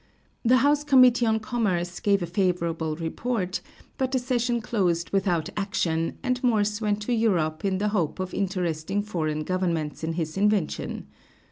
The House Committee on Commerce gave a favorable report, but the session closed without action, and Morse went to Europe in the hope of interesting foreign governments in his invention.